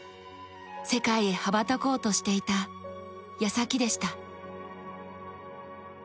世界へ羽ばたこうとしていた矢先でした。